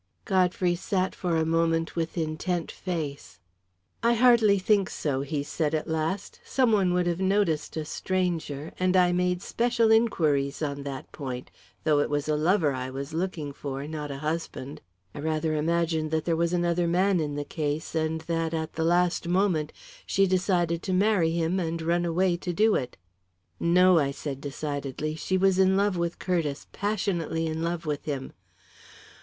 Godfrey sat for a moment with intent face. "I hardly think so," he said, at last. "Some one would have noticed a stranger, and I made special inquiries on that point, though it was a lover I was looking for, not a husband. I rather imagined that there was another man in the case, and that, at the last moment, she decided to marry him and ran away to do it." "No," I said decidedly, "she was in love with Curtiss passionately in love with him."